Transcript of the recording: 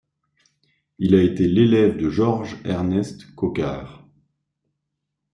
Il a été l’élève de Georges-Ernest Coquart.